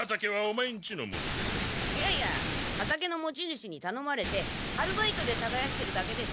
いやいや畑の持ち主にたのまれてアルバイトでたがやしてるだけです。